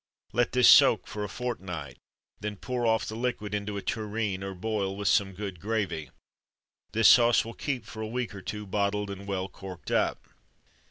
Let this soak for a fortnight, then pour off the liquid into a tureen; or boil with some good gravy. This sauce will keep for a week or two, bottled and well corked up.